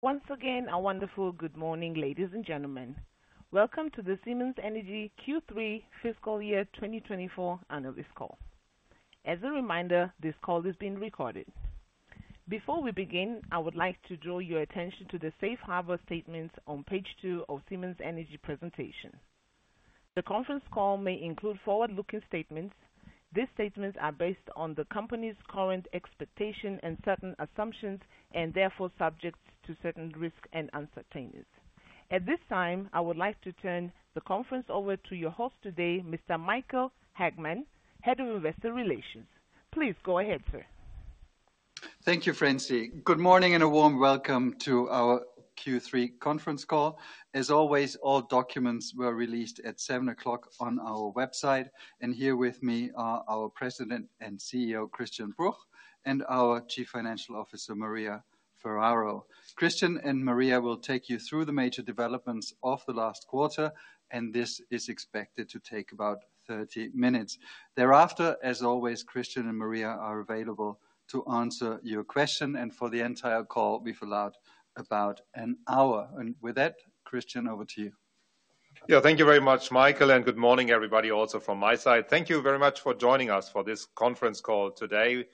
Once again, a wonderful good morning, ladies and gentlemen. Welcome to the Siemens Energy Q3 fiscal year 2024 analyst call. As a reminder, this call is being recorded. Before we begin, I would like to draw your attention to the safe harbor statements on page 2 of Siemens Energy presentation. The conference call may include forward-looking statements. These statements are based on the company's current expectation and certain assumptions, and therefore, subject to certain risks and uncertainties. At this time, I would like to turn the conference over to your host today, Mr. Michael Hagmann, Head of Investor Relations. Please go ahead, sir. Thank you, Francine. Good morning, and a warm welcome to our Q3 conference call. As always, all documents were released at 7:00 A.M. on our website, and here with me are our President and CEO, Christian Bruch, and our Chief Financial Officer, Maria Ferraro. Christian and Maria will take you through the major developments of the last quarter, and this is expected to take about 30 minutes. Thereafter, as always, Christian and Maria are available to answer your question, and for the entire call, we've allowed about an hour. With that, Christian, over to you. Yeah, thank you very much, Michael, and good morning, everybody, also from my side. Thank you very much for joining us for this conference call today.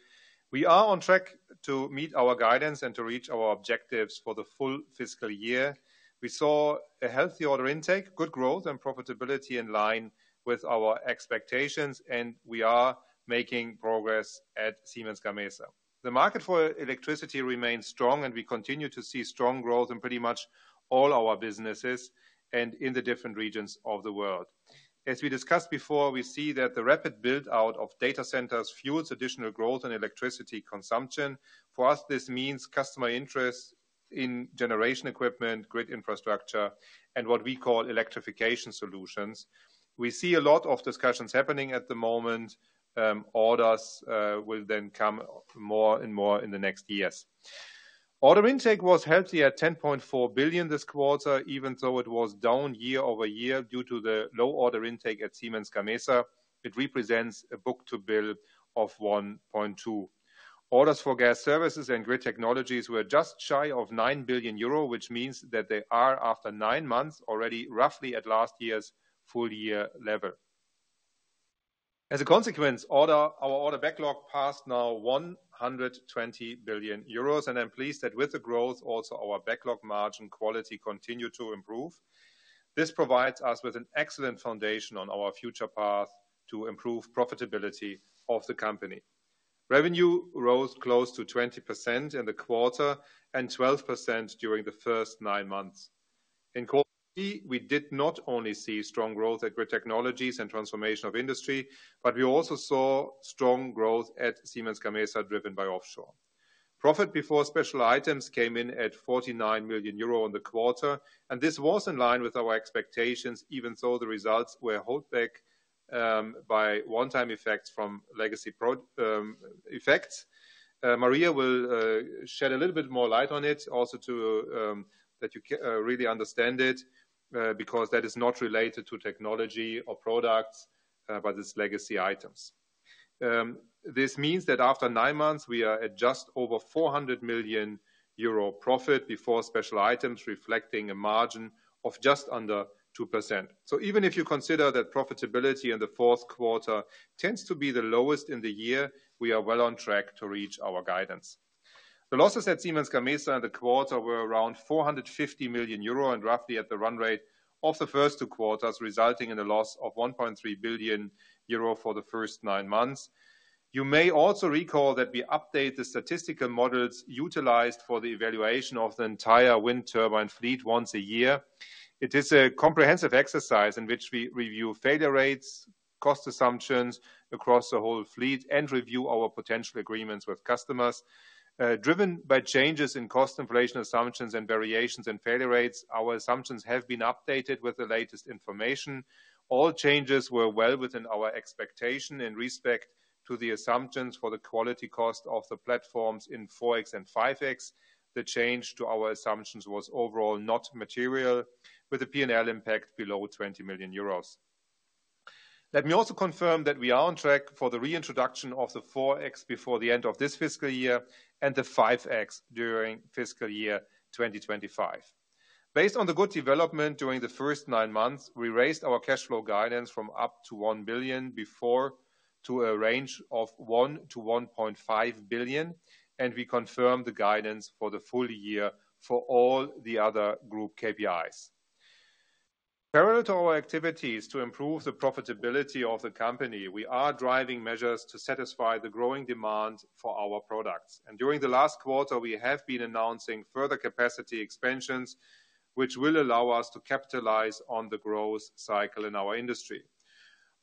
We are on track to meet our guidance and to reach our objectives for the full fiscal year. We saw a healthy order intake, good growth and profitability in line with our expectations, and we are making progress at Siemens Gamesa. The market for electricity remains strong, and we continue to see strong growth in pretty much all our businesses and in the different regions of the world. As we discussed before, we see that the rapid build-out of data centers fuels additional growth and electricity consumption. For us, this means customer interest in generation equipment, grid infrastructure, and what we call electrification solutions. We see a lot of discussions happening at the moment, orders will then come more and more in the next years. Order intake was healthy at 10.4 billion this quarter, even though it was down year-over-year due to the low order intake at Siemens Gamesa, it represents a book-to-bill of 1.2. Orders for Gas Services and Grid Technologies were just shy of 9 billion euro, which means that they are, after nine months, already roughly at last year's full year level. As a consequence, our order backlog passed now 120 billion euros, and I'm pleased that with the growth, also our backlog margin quality continued to improve. This provides us with an excellent foundation on our future path to improve profitability of the company. Revenue rose close to 20% in the quarter and 12% during the first nine months. In Q3, we did not only see strong growth at Grid Technologies and Transformation of Industry, but we also saw strong growth at Siemens Gamesa, driven by offshore. Profit before special items came in at 49 million euro in the quarter, and this was in line with our expectations, even though the results were held back by one-time effects from legacy effects. Maria will shed a little bit more light on it also so that you can really understand it, because that is not related to technology or products, but it's legacy items. This means that after nine months, we are at just over 400 million euro profit before special items, reflecting a margin of just under 2%. So even if you consider that profitability in the fourth quarter tends to be the lowest in the year, we are well on track to reach our guidance. The losses at Siemens Gamesa in the quarter were around 450 million euro and roughly at the run rate of the first two quarters, resulting in a loss of 1.3 billion euro for the first nine months. You may also recall that we update the statistical models utilized for the evaluation of the entire wind turbine fleet once a year. It is a comprehensive exercise in which we review failure rates, cost assumptions across the whole fleet, and review our potential agreements with customers. Driven by changes in cost inflation assumptions and variations in failure rates, our assumptions have been updated with the latest information. All changes were well within our expectation in respect to the assumptions for the quality cost of the platforms in 4.X and 5.X. The change to our assumptions was overall not material, with a P&L impact below 20 million euros. Let me also confirm that we are on track for the reintroduction of the 4.X before the end of this fiscal year and the 5.X during fiscal year 2025. Based on the good development during the first nine months, we raised our cash flow guidance from up to 1 billion before to a range of 1 billion-1.5 billion, and we confirmed the guidance for the full year for all the other group KPIs. Parallel to our activities to improve the profitability of the company, we are driving measures to satisfy the growing demand for our products. During the last quarter, we have been announcing further capacity expansions, which will allow us to capitalize on the growth cycle in our industry.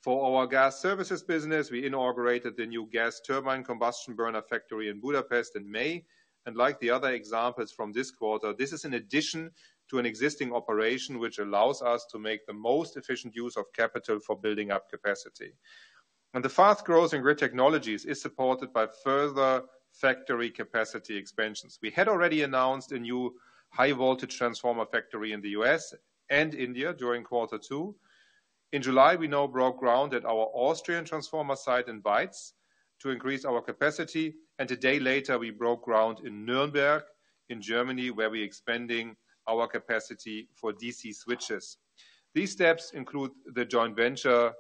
For our Gas Services business, we inaugurated the new gas turbine combustion burner factory in Budapest in May, and like the other examples from this quarter, this is in addition to an existing operation, which allows us to make the most efficient use of capital for building up capacity. The fast-growing Grid Technologies is supported by further factory capacity expansions. We had already announced a new high-voltage transformer factory in the U.S. and India during quarter two. In July, we now broke ground at our Austrian transformer site in Weiz to increase our capacity, and a day later, we broke ground in Nuremberg, in Germany, where we're expanding our capacity for DC switches. These steps include the joint venture,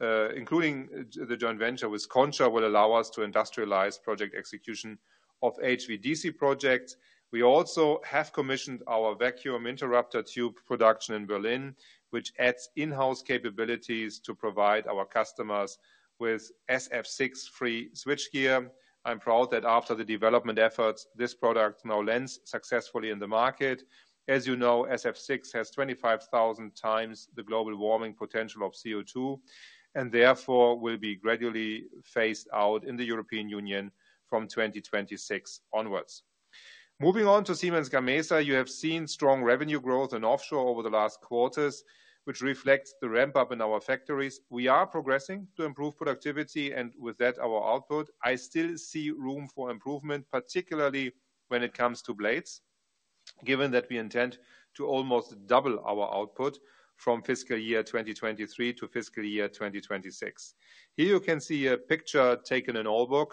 including the joint venture with Končar, will allow us to industrialize project execution of HVDC projects. We also have commissioned our vacuum interrupter tube production in Berlin, which adds in-house capabilities to provide our customers with SF6-free switchgear. I'm proud that after the development efforts, this product now lands successfully in the market. As you know, SF6 has 25,000 times the global warming potential of CO2, and therefore, will be gradually phased out in the European Union from 2026 onwards. Moving on to Siemens Gamesa, you have seen strong revenue growth in offshore over the last quarters, which reflects the ramp-up in our factories. We are progressing to improve productivity, and with that, our output. I still see room for improvement, particularly when it comes to blades, given that we intend to almost double our output from fiscal year 2023 to fiscal year 2026. Here you can see a picture taken in Aalborg,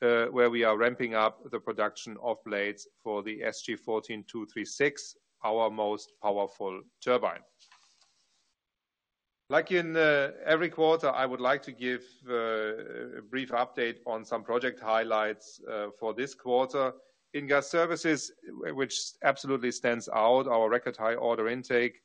where we are ramping up the production of blades for the SG 14-236, our most powerful turbine. Like in every quarter, I would like to give a brief update on some project highlights for this quarter. In Gas Services, which absolutely stands out, our record high order intake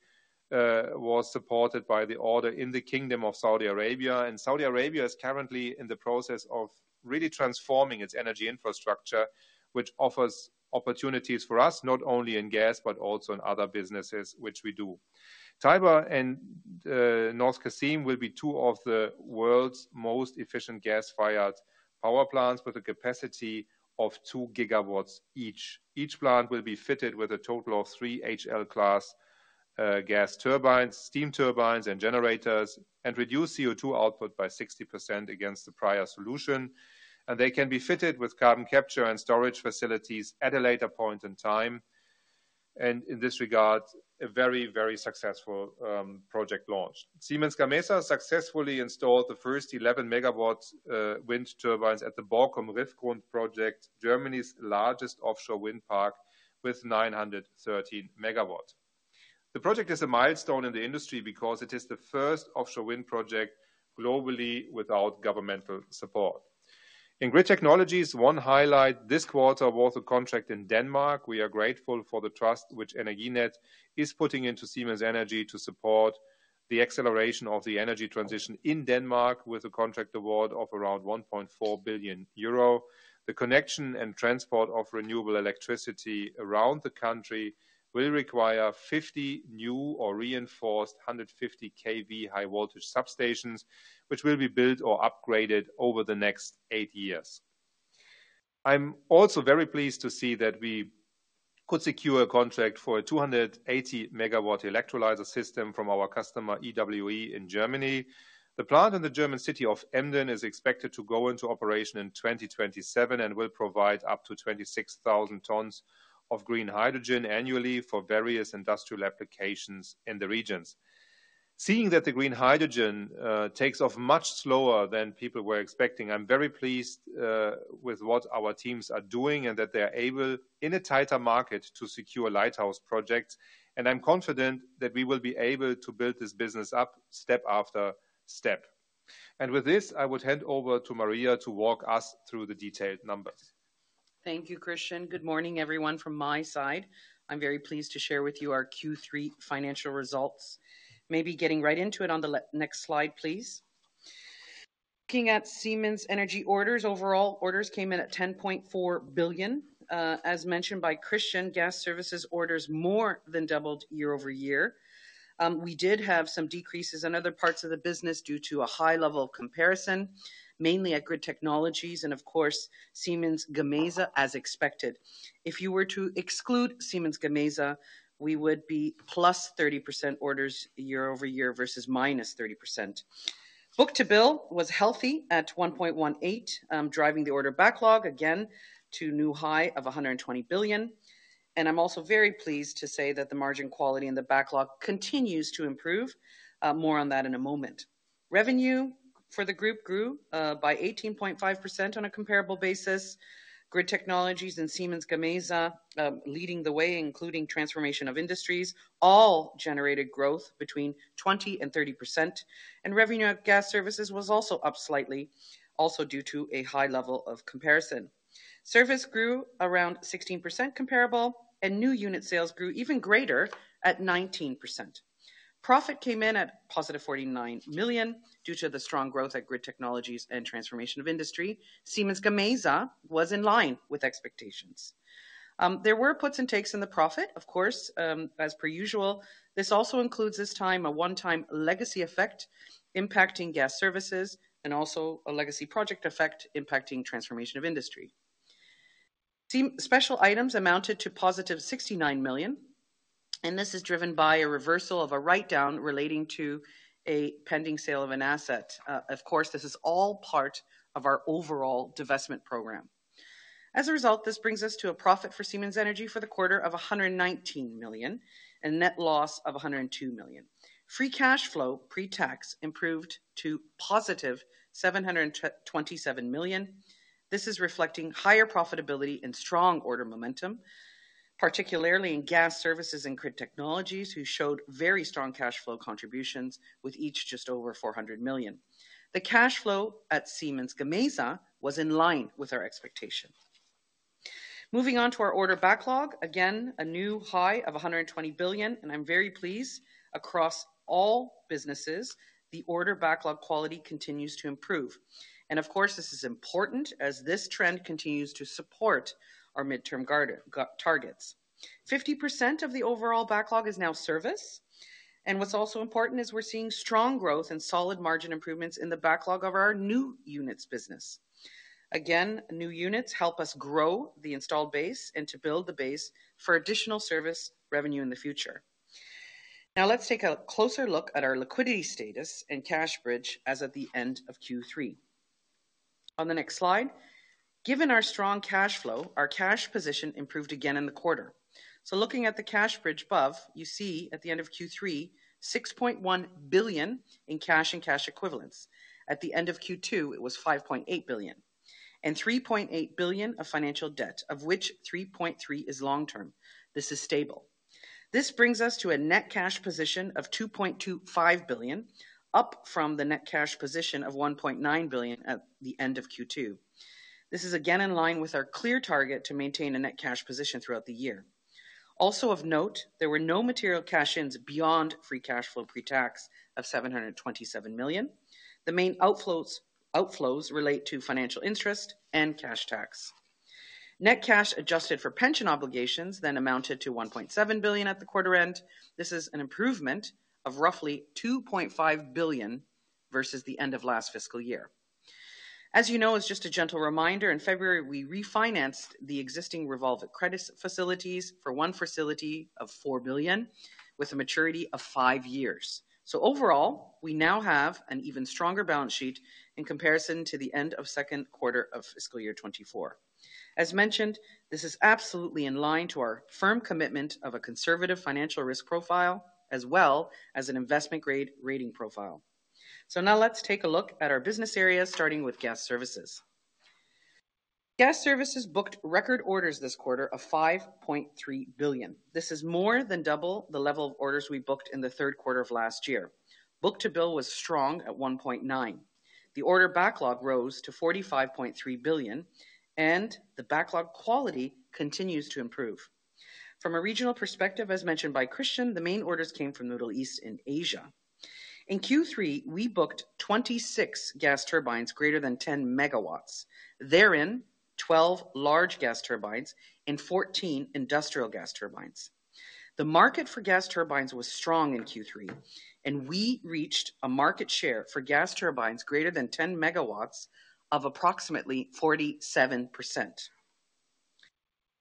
was supported by the order in the Kingdom of Saudi Arabia, and Saudi Arabia is currently in the process of really transforming its energy infrastructure, which offers opportunities for us, not only in gas, but also in other businesses, which we do. Taiba and North Qassim will be two of the world's most efficient gas-fired power plants, with a capacity of 2 GW each. Each plant will be fitted with a total of 3 HL-class gas turbines, steam turbines and generators, and reduce CO2 output by 60% against the prior solution. They can be fitted with carbon capture and storage facilities at a later point in time, and in this regard, a very, very successful project launch. Siemens Gamesa successfully installed the first 11-MW wind turbines at the Borkum Riffgrund project, Germany's largest offshore wind park, with 913 MW. The project is a milestone in the industry because it is the first offshore wind project globally without governmental support. In Grid Technologies, one highlight this quarter was a contract in Denmark. We are grateful for the trust which Energinet is putting into Siemens Energy to support the acceleration of the energy transition in Denmark with a contract award of around 1.4 billion euro. The connection and transport of renewable electricity around the country will require 50 new or reinforced 150 kV high-voltage substations, which will be built or upgraded over the next eight years. I'm also very pleased to see that we could secure a contract for a 280-MW electrolyzer system from our customer, EWE, in Germany. The plant in the German city of Emden is expected to go into operation in 2027 and will provide up to 26,000 tons of green hydrogen annually for various industrial applications in the regions. Seeing that the green hydrogen takes off much slower than people were expecting, I'm very pleased with what our teams are doing and that they are able, in a tighter market, to secure lighthouse projects, and I'm confident that we will be able to build this business up step after step. With this, I would hand over to Maria to walk us through the detailed numbers. Thank you, Christian. Good morning, everyone, from my side. I'm very pleased to share with you our Q3 financial results. Maybe getting right into it on the next slide, please. Looking at Siemens Energy orders, overall orders came in at 10.4 billion. As mentioned by Christian, Gas Services orders more than doubled year-over-year. We did have some decreases in other parts of the business due to a high level of comparison, mainly at Grid Technologies and of course, Siemens Gamesa, as expected. If you were to exclude Siemens Gamesa, we would be +30% orders year-over-year versus -30%. Book-to-bill was healthy at 1.18, driving the order backlog again to new high of 120 billion. I'm also very pleased to say that the margin quality in the backlog continues to improve. More on that in a moment. Revenue for the group grew by 18.5% on a comparable basis. Grid Technologies and Siemens Gamesa leading the way, including Transformation of Industries, all generated growth between 20% and 30%, and revenue at Gas Services was also up slightly, also due to a high level of comparison. Service grew around 16% comparable, and new unit sales grew even greater at 19%. Profit came in at positive 49 million due to the strong growth at Grid Technologies and Transformation of Industry. Siemens Gamesa was in line with expectations. There were puts and takes in the profit, of course, as per usual. This also includes this time, a one-time legacy effect, impacting Gas Services and also a legacy project effect impacting Transformation of Industry. Total special items amounted to positive 69 million, and this is driven by a reversal of a write-down relating to a pending sale of an asset. Of course, this is all part of our overall divestment program. As a result, this brings us to a profit for Siemens Energy for the quarter of 119 million, and net loss of 102 million. Free cash flow, pre-tax, improved to positive 727 million. This is reflecting higher profitability and strong order momentum, particularly in Gas Services and Grid Technologies, who showed very strong cash flow contributions, with each just over 400 million. The cash flow at Siemens Gamesa was in line with our expectation. Moving on to our order backlog, again, a new high of 120 billion, and I'm very pleased across all businesses, the order backlog quality continues to improve. Of course, this is important as this trend continues to support our midterm guardrails targets. 50% of the overall backlog is now service, and what's also important is we're seeing strong growth and solid margin improvements in the backlog of our new units business. Again, new units help us grow the installed base and to build the base for additional service revenue in the future. Now, let's take a closer look at our liquidity status and cash bridge as at the end of Q3. On the next slide, given our strong cash flow, our cash position improved again in the quarter. So looking at the cash bridge above, you see at the end of Q3, 6.1 billion in cash and cash equivalents. At the end of Q2, it was 5.8 billion, and 3.8 billion of financial debt, of which 3.3 is long term. This is stable. This brings us to a net cash position of 2.25 billion, up from the net cash position of 1.9 billion at the end of Q2. This is again, in line with our clear target to maintain a net cash position throughout the year. Also of note, there were no material cash-ins beyond free cash flow pre-tax of 727 million. The main outflows, outflows relate to financial interest and cash tax. Net cash adjusted for pension obligations, then amounted to 1.7 billion at the quarter end. This is an improvement of roughly 2.5 billion versus the end of last fiscal year. As you know, as just a gentle reminder, in February, we refinanced the existing revolver credit facilities for one facility of 4 billion, with a maturity of 5 years. So overall, we now have an even stronger balance sheet in comparison to the end of second quarter of fiscal year 2024. As mentioned, this is absolutely in line to our firm commitment of a conservative financial risk profile, as well as an investment-grade rating profile. So now let's take a look at our business areas, starting with Gas Services. Gas Services booked record orders this quarter of 5.3 billion. This is more than double the level of orders we booked in the third quarter of last year. Book-to-bill was strong at 1.9. The order backlog rose to 45.3 billion, and the backlog quality continues to improve. From a regional perspective, as mentioned by Christian, the main orders came from Middle East and Asia. In Q3, we booked 26 gas turbines greater than 10 MW. Therein, 12 large gas turbines and 14 industrial gas turbines. The market for gas turbines was strong in Q3, and we reached a market share for gas turbines greater than 10 MW of approximately 47%.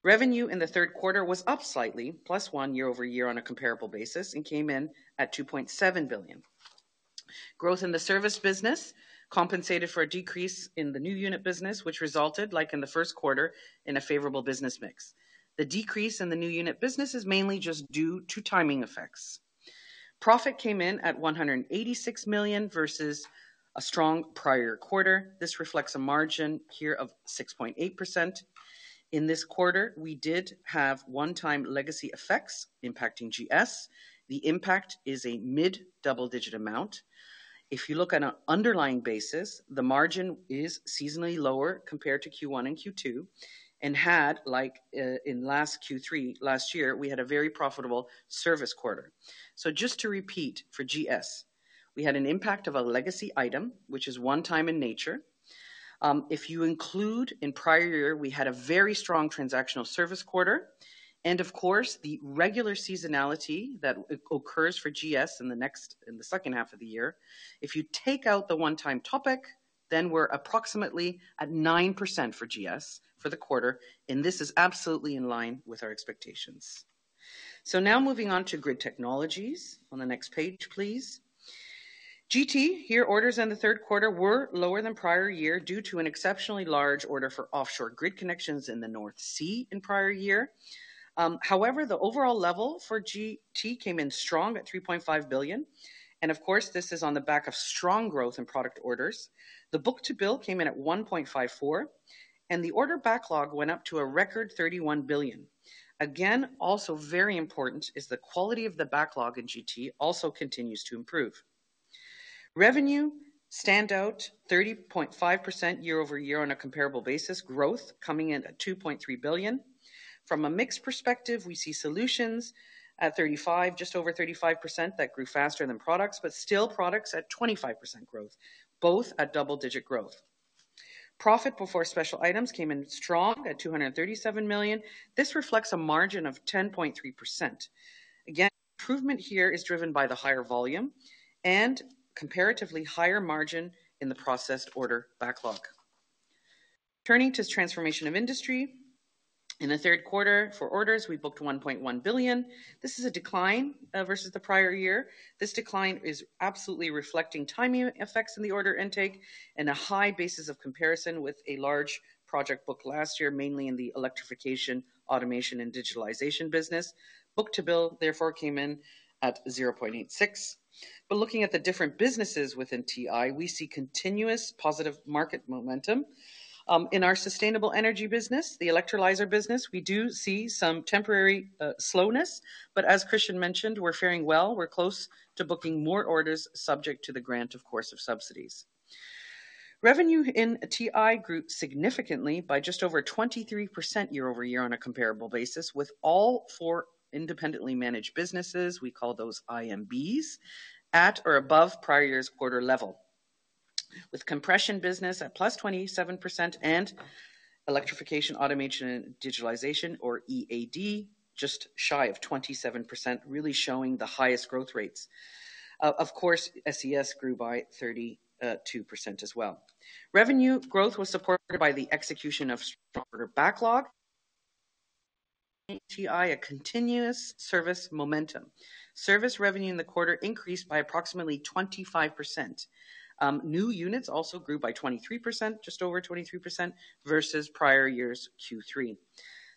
Revenue in the third quarter was up slightly, +1% year-over-year on a comparable basis, and came in at 2.7 billion. Growth in the service business compensated for a decrease in the new unit business, which resulted, like in the first quarter, in a favorable business mix. The decrease in the new unit business is mainly just due to timing effects. Profit came in at 186 million versus a strong prior quarter. This reflects a margin here of 6.8%. In this quarter, we did have one-time legacy effects impacting GS. The impact is a mid-double-digit amount. If you look on an underlying basis, the margin is seasonally lower compared to Q1 and Q2, and had, like, in last Q3, last year, we had a very profitable service quarter. So just to repeat for GS, we had an impact of a legacy item, which is one time in nature. If you include in prior year, we had a very strong transactional service quarter, and of course, the regular seasonality that occurs for GS in the second half of the year. If you take out the one-time topic, then we're approximately at 9% for GS for the quarter, and this is absolutely in line with our expectations. So now moving on to Grid Technologies. On the next page, please. GT, here, orders in the third quarter were lower than prior year due to an exceptionally large order for offshore grid connections in the North Sea in prior year. However, the overall level for GT came in strong at 3.5 billion, and of course, this is on the back of strong growth in product orders. The book-to-bill came in at 1.54, and the order backlog went up to a record 31 billion. Again, also very important is the quality of the backlog in GT also continues to improve. Revenue stood out 30.5% year-over-year on a comparable basis, growth coming in at 2.3 billion. From a mix perspective, we see solutions at 35, just over 35%, that grew faster than products, but still products at 25% growth, both at double-digit growth. Profit before special items came in strong at 237 million. This reflects a margin of 10.3%. Again, improvement here is driven by the higher volume and comparatively higher margin in the processed order backlog.... Turning to Transformation of Industry. In the third quarter for orders, we booked 1.1 billion. This is a decline versus the prior year. This decline is absolutely reflecting timing effects in the order intake and a high basis of comparison with a large project booked last year, mainly in the Electrification, Automation, and Digitalization business. Book-to-bill, therefore, came in at 0.86. But looking at the different businesses within TI, we see continuous positive market momentum. In our sustainable energy business, the electrolyzer business, we do see some temporary slowness, but as Christian mentioned, we're faring well. We're close to booking more orders, subject to the grant, of course, of subsidies. Revenue in TI grew significantly by just over 23% year-over-year on a comparable basis, with all four independently managed businesses, we call those IMBs, at or above prior year's order level. With Compression business at +27% and Electrification, Automation, and Digitalization, or EAD, just shy of 27%, really showing the highest growth rates. Of course, SES grew by 32% as well. Revenue growth was supported by the execution of stronger backlog. TI, a continuous service momentum. Service revenue in the quarter increased by approximately 25%. New units also grew by 23%, just over 23%, versus prior year's Q3.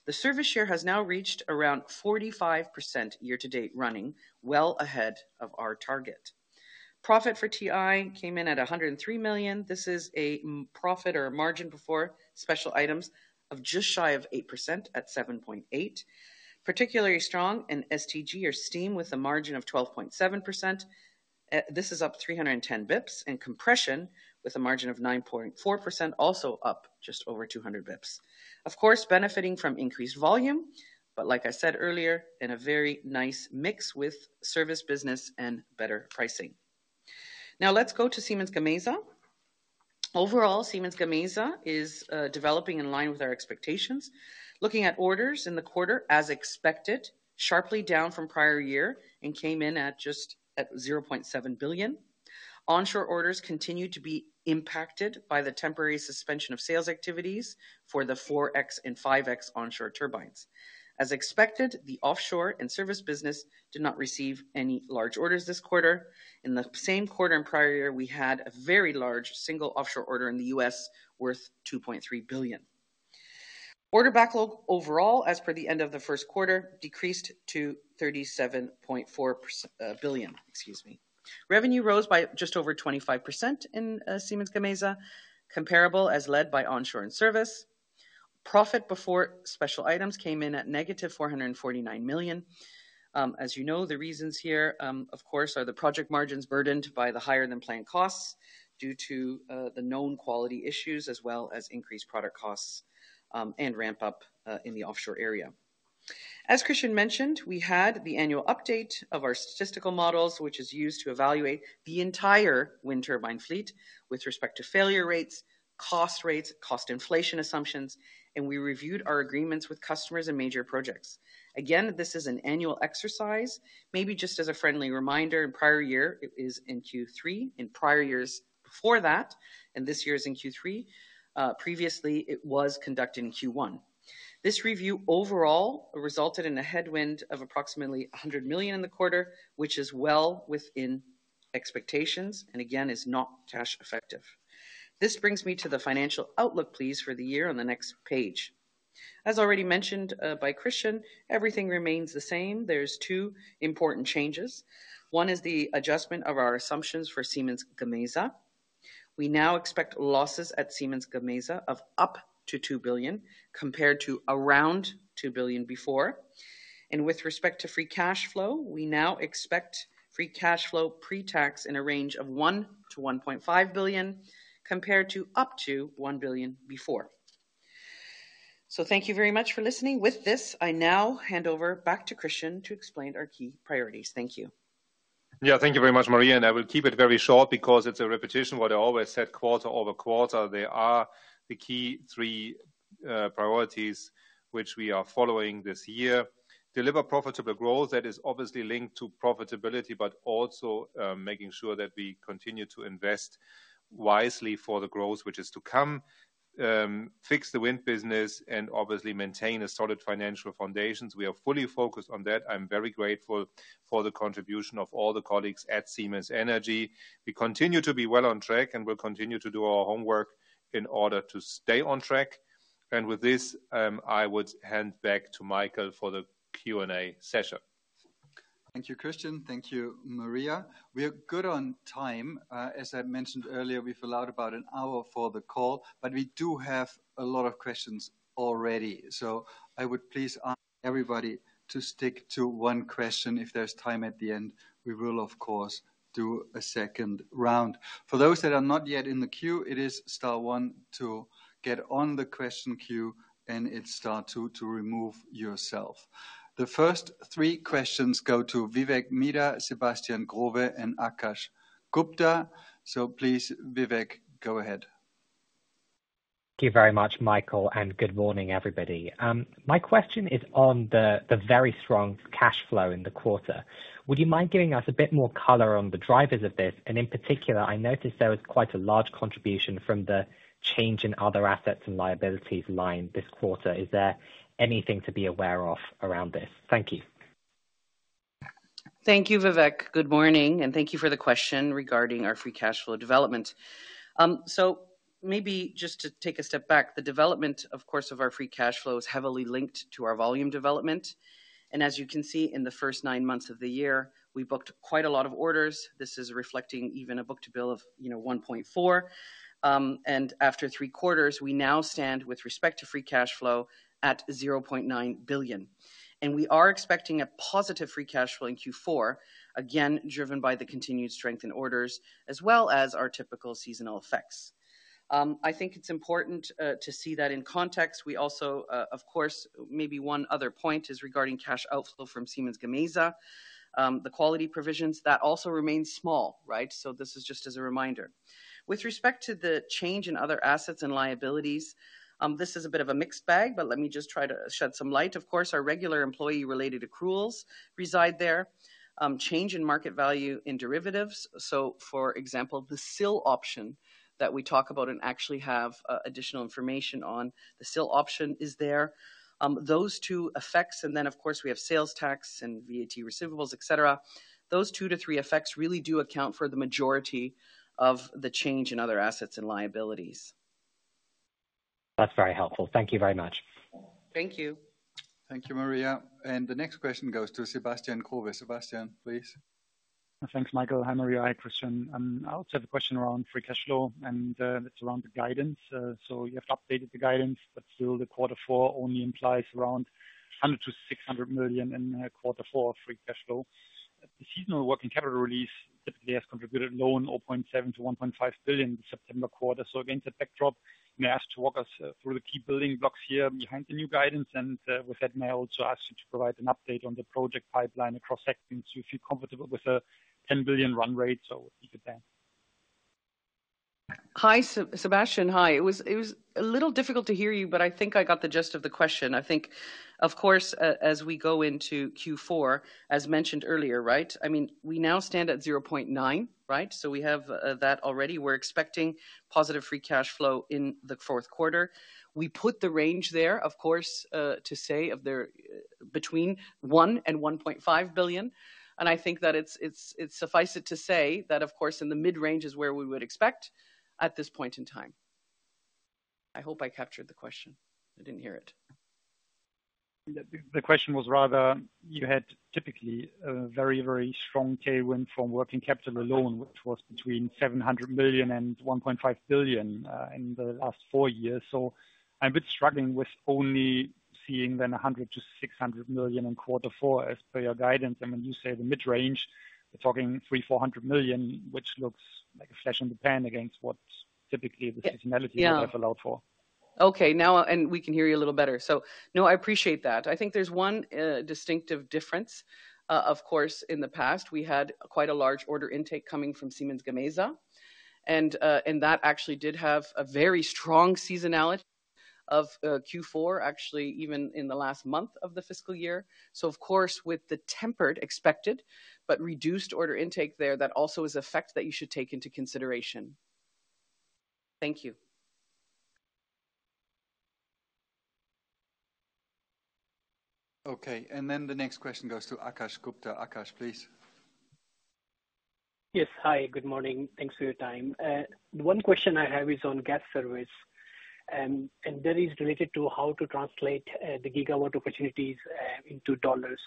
The service share has now reached around 45% year to date, running well ahead of our target. Profit for TI came in at 103 million. This is a margin before special items of just shy of 8% at 7.8%. Particularly strong in STG or Steam, with a margin of 12.7%. This is up 310 basis points, and Compression with a margin of 9.4%, also up just over 200 basis points. Of course, benefiting from increased volume, but like I said earlier, in a very nice mix with service business and better pricing. Now let's go to Siemens Gamesa. Overall, Siemens Gamesa is developing in line with our expectations. Looking at orders in the quarter, as expected, sharply down from prior year and came in at just at 0.7 billion. Onshore orders continued to be impacted by the temporary suspension of sales activities for the 4.X and 5.X onshore turbines. As expected, the offshore and service business did not receive any large orders this quarter. In the same quarter and prior year, we had a very large single offshore order in the US worth 2.3 billion. Order backlog overall, as per the end of the first quarter, decreased to 37.4 billion, excuse me. Revenue rose by just over 25% in Siemens Gamesa, comparable as led by onshore and service. Profit before special items came in at -449 million. As you know, the reasons here, of course, are the project margins burdened by the higher-than-planned costs due to the known quality issues, as well as increased product costs, and ramp up in the offshore area. As Christian mentioned, we had the annual update of our statistical models, which is used to evaluate the entire wind turbine fleet with respect to failure rates, cost rates, cost inflation assumptions, and we reviewed our agreements with customers and major projects. Again, this is an annual exercise. Maybe just as a friendly reminder, in prior year, it is in Q3, in prior years before that, and this year is in Q3. Previously, it was conducted in Q1. This review overall resulted in a headwind of approximately 100 million in the quarter, which is well within expectations and again, is not cash effective. This brings me to the financial outlook, please, for the year on the next page. As already mentioned, by Christian, everything remains the same. There's two important changes. One is the adjustment of our assumptions for Siemens Gamesa. We now expect losses at Siemens Gamesa of up to 2 billion, compared to around 2 billion before. And with respect to free cash flow, we now expect free cash flow pre-tax in a range of 1 billion-1.5 billion, compared to up to 1 billion before. So thank you very much for listening. With this, I now hand over back to Christian to explain our key priorities. Thank you. Yeah, thank you very much, Maria, and I will keep it very short because it's a repetition what I always said quarter over quarter. They are the key three priorities which we are following this year. Deliver profitable growth that is obviously linked to profitability, but also making sure that we continue to invest wisely for the growth, which is to come. Fix the wind business and obviously maintain a solid financial foundations. We are fully focused on that. I'm very grateful for the contribution of all the colleagues at Siemens Energy. We continue to be well on track, and we'll continue to do our homework in order to stay on track. And with this, I would hand back to Michael for the Q&A session. Thank you, Christian. Thank you, Maria. We are good on time. As I mentioned earlier, we've allowed about an hour for the call, but we do have a lot of questions already. So I would please ask everybody to stick to one question. If there's time at the end, we will, of course, do a second round. For those that are not yet in the queue, it is star one to get on the question queue, and it's star two to remove yourself. The first three questions go to Vivek Midha, Sebastian Growe, and Akash Gupta. So please, Vivek, go ahead. ... Thank you very much, Michael, and good morning, everybody. My question is on the very strong cash flow in the quarter. Would you mind giving us a bit more color on the drivers of this? In particular, I noticed there was quite a large contribution from the change in other assets and liabilities line this quarter. Is there anything to be aware of around this? Thank you. Thank you, Vivek. Good morning, and thank you for the question regarding our free cash flow development. So maybe just to take a step back, the development, of course, of our free cash flow is heavily linked to our volume development. And as you can see, in the first nine months of the year, we booked quite a lot of orders. This is reflecting even a book-to-bill of, you know, 1.4. And after three quarters, we now stand with respect to free cash flow at 0.9 billion. And we are expecting a positive free cash flow in Q4, again, driven by the continued strength in orders, as well as our typical seasonal effects. I think it's important to see that in context. We also, of course, maybe one other point is regarding cash outflow from Siemens Gamesa. The quality provisions, that also remains small, right? So this is just as a reminder. With respect to the change in other assets and liabilities, this is a bit of a mixed bag, but let me just try to shed some light. Of course, our regular employee-related accruals reside there. Change in market value in derivatives, so for example, the SIL option that we talk about and actually have additional information on, the SIL option is there. Those two effects, and then, of course, we have sales tax and VAT receivables, et cetera. Those two to three effects really do account for the majority of the change in other assets and liabilities. That's very helpful. Thank you very much. Thank you. Thank you, Maria. The next question goes to Sebastian Growe. Sebastian, please. Thanks, Michael. Hi, Maria. Hi, Christian. I also have a question around free cash flow, and it's around the guidance. So you have updated the guidance, but still the quarter four only implies around 100 million-600 million in quarter four free cash flow. The seasonal working capital release typically has contributed 0.7 billion-1.5 billion in the September quarter. So against that backdrop, may I ask to walk us through the key building blocks here behind the new guidance? And with that, may I also ask you to provide an update on the project pipeline across sectors, if you're comfortable with a 10 billion run rate? So you could then. Hi, Sebastian. Hi. It was a little difficult to hear you, but I think I got the gist of the question. I think, of course, as we go into Q4, as mentioned earlier, right? I mean, we now stand at 0.9, right? So we have that already. We're expecting positive free cash flow in the fourth quarter. We put the range there, of course, to say of there between 1 billion and 1.5 billion. And I think that it's suffice it to say that, of course, in the mid-range is where we would expect at this point in time. I hope I captured the question. I didn't hear it. The question was rather, you had typically a very, very strong tailwind from working capital alone, which was between 700 million and 1.5 billion in the last four years. So I'm a bit struggling with only seeing then 100 million-600 million in quarter four, as per your guidance. I mean, you say the mid-range, we're talking 300 million-400 million, which looks like a flash in the pan against what's typically the seasonality- Yeah - you have allowed for. Okay, now, and we can hear you a little better. So no, I appreciate that. I think there's one distinctive difference. Of course, in the past, we had quite a large order intake coming from Siemens Gamesa, and that actually did have a very strong seasonality of Q4, actually, even in the last month of the fiscal year. So of course, with the tempered expected, but reduced order intake there, that also is an effect that you should take into consideration. Thank you. Okay, and then the next question goes to Akash Gupta. Akash, please. Yes. Hi, good morning. Thanks for your time. One question I have is on gas service, and that is related to how to translate the gigawatt opportunities into dollars.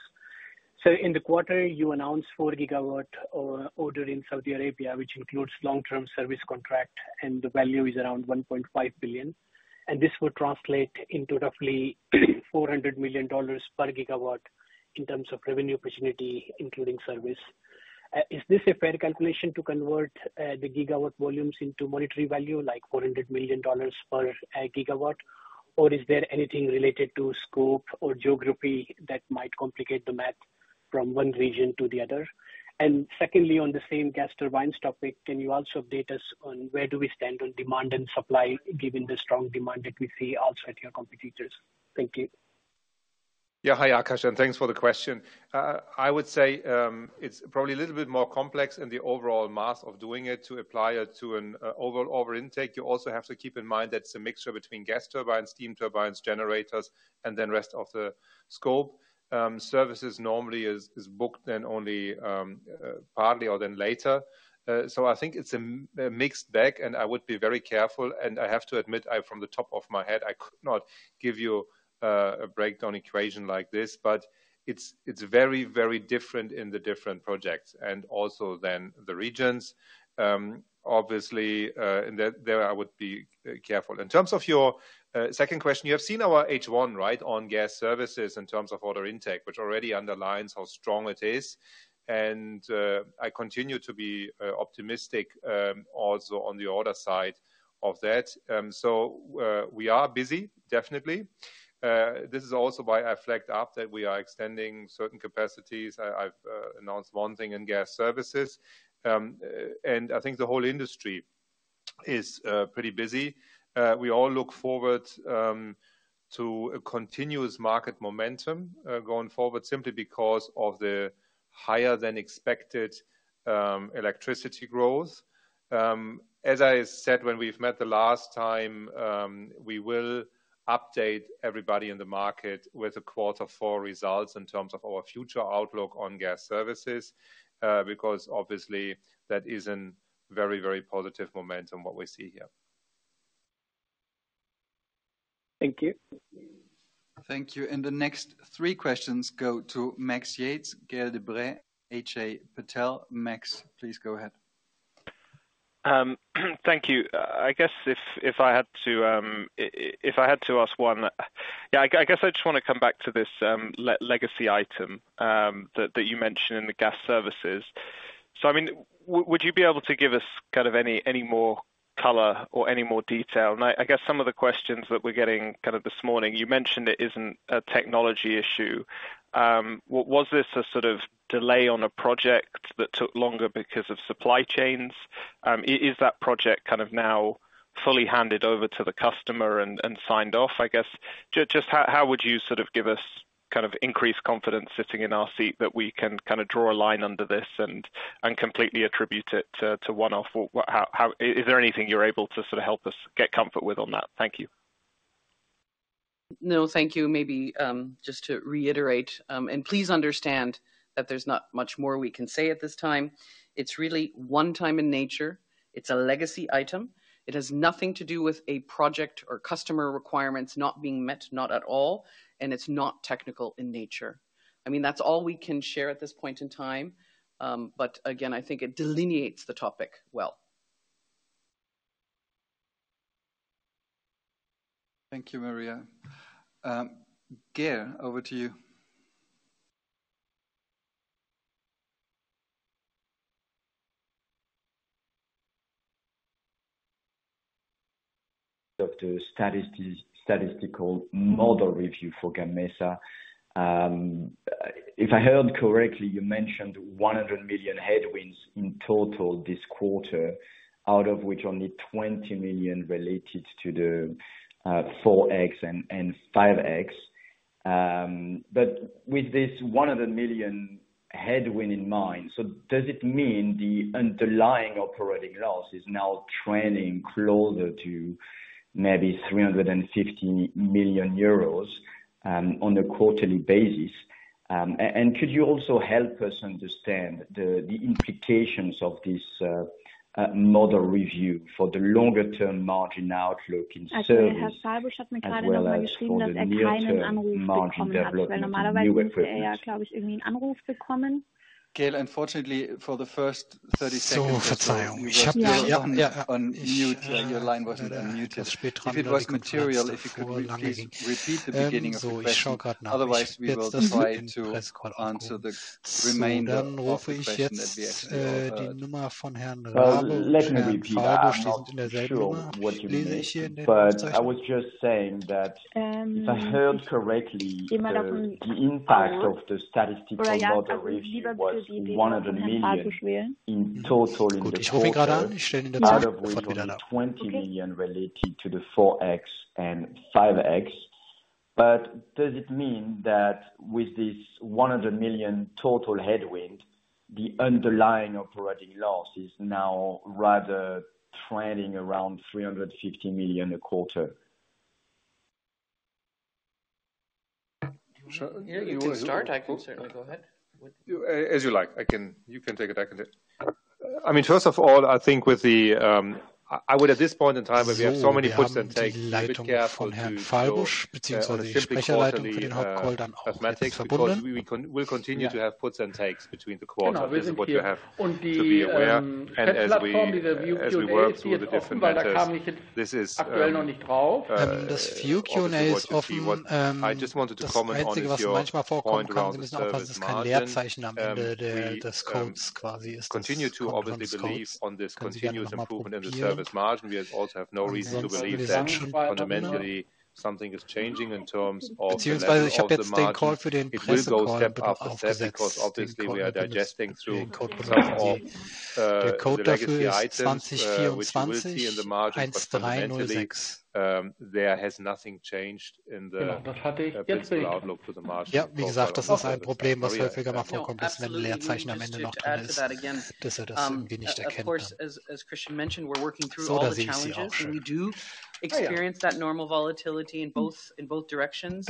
So in the quarter, you announced 4 gigawatt or order in Saudi Arabia, which includes long-term service contract, and the value is around $1.5 billion, and this would translate into roughly $400 million per gigawatt in terms of revenue opportunity, including service. Is this a fair calculation to convert the gigawatt volumes into monetary value, like $400 million per gigawatt? Or is there anything related to scope or geography that might complicate the math from one region to the other? Secondly, on the same gas turbines topic, can you also update us on where we stand on demand and supply, given the strong demand that we see also at your competitors? Thank you. Yeah. Hi, Akash, and thanks for the question. I would say it's probably a little bit more complex in the overall math of doing it to apply it to an overall order intake. You also have to keep in mind that it's a mixture between gas turbines, steam turbines, generators, and then rest of the scope. Services normally is booked then only partly or then later. So I think it's a mixed bag, and I would be very careful, and I have to admit, from the top of my head, I could not give you a breakdown equation like this, but it's very, very different in the different projects and also then the regions. Obviously, and there I would be careful. In terms of your second question, you have seen our H1, right, on Gas Services in terms of order intake, which already underlines how strong it is, and I continue to be optimistic also on the order side of that. So, we are busy, definitely. This is also why I flagged up that we are extending certain capacities. I've announced one thing in Gas Services. And I think the whole industry is pretty busy. We all look forward to a continuous market momentum going forward simply because of the higher-than-expected electricity growth. As I said when we've met the last time, we will update everybody in the market with a Quarter Four results in terms of our future outlook on Gas Services, because obviously, that is an very, very positive momentum, what we see here. Thank you. Thank you. The next three questions go to Max Yates, Gaël de Bray, Ajay Patel. Max, please go ahead. Thank you. I guess if I had to ask one... Yeah, I guess I just want to come back to this legacy item that you mentioned in the Gas Services. So I mean, would you be able to give us kind of any more color or any more detail? And I guess some of the questions that we're getting kind of this morning, you mentioned it isn't a technology issue. Was this a sort of delay on a project that took longer because of supply chains? Is that project kind of now fully handed over to the customer and signed off, I guess? Just how would you sort of give us kind of increased confidence sitting in our seat that we can kind of draw a line under this and completely attribute it to one-off? Or how... Is there anything you're able to sort of help us get comfort with on that? Thank you. No, thank you. Maybe just to reiterate, and please understand that there's not much more we can say at this time. It's really one time in nature. It's a legacy item. It has nothing to do with a project or customer requirements not being met, not at all, and it's not technical in nature. I mean, that's all we can share at this point in time, but again, I think it delineates the topic well. Thank you, Maria. Gael, over to you. On the statistical model review for Gamesa. If I heard correctly, you mentioned 100 million headwinds in total this quarter, out of which only 20 million related to the 4.X and 5.X. But with this 100 million headwind in mind, does it mean the underlying operating loss is now trending closer to maybe 350 million euros on a quarterly basis? And could you also help us understand the implications of this model review for the longer-term margin outlook in service, as well as for the near-term margin development in new equipment? Gael, unfortunately, for the first 30 seconds- So, - You were on mute. Your line wasn't unmuted. If it was material, if you could please repeat the beginning of the question. Otherwise, we will try to answer the remainder of the question that we actually got. Well, let me repeat. I'm not sure what you mean, but I was just saying that- Um- If I heard correctly, the impact of the statistical model review was 100 million in total in the quarter, out of which 20 million related to the 4.X and 5.X. But does it mean that with this 100 million total headwind, the underlying operating loss is now rather trending around 350 million a quarter? So- You can start. I can certainly go ahead with- As you like. I can. You can take it. I can take. I mean, first of all, I think with the, I would, at this point in time, where we have so many puts and takes, carefully mathematics, because we, we'll continue to have puts and takes between the quarter. This is what you have to be aware. And as we, as we work through the different matters, this is, I just wanted to comment on your point around the service margin. We continue to obviously believe on this continuous improvement in the service margin. We also have no reason to believe that fundamentally something is changing in terms of the level of the margin. It will go step by step, because obviously, we are digesting through some of, the legacy items, which you will see in the margins. But fundamentally, there has nothing changed in the- Genau, das hatte ich. Principal outlook for the margin. Ja, wie gesagt, das ist ein Problem, was häufiger mal vorkommt, ist, wenn ein Leerzeichen am Ende noch drin ist, dass er das irgendwie nicht erkennt. So, da sehen Sie es auch. Schön. Ah, ja. Dann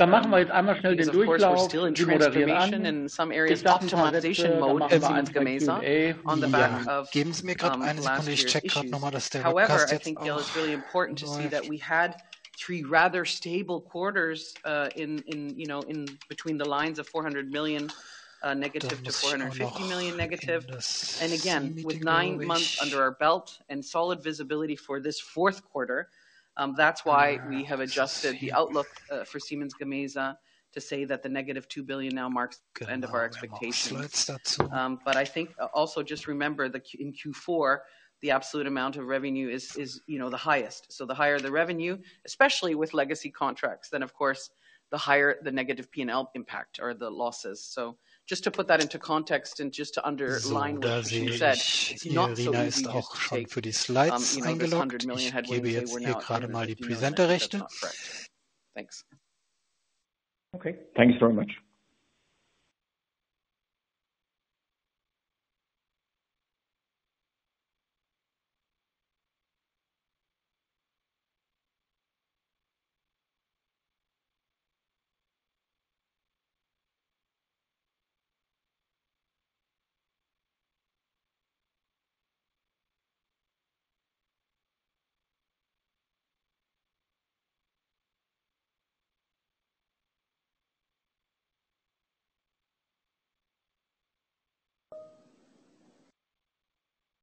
machen wir jetzt einmal schnell den Durchlauf drüber noch eben an. Geben Sie mir gerade eine Sekunde, ich checke gerade noch mal, dass der Broadcast jetzt auch läuft. We had three rather stable quarters, in you know in between the lines of -400 million to -450 million and again with nine months under our belt and solid visibility for this fourth quarter that's why we have adjusted the outlook for Siemens Gamesa to say that the -2 billion now marks the end of our expectations. But I think also just remember in Q4, the absolute amount of revenue is the highest. So the higher the revenue, especially with legacy contracts, then of course. the higher the negative P&L impact or the losses. So just to put that into context and just underline what you said, it's not so easy. I give you just here, right? Thanks.... Okay. Thanks very much.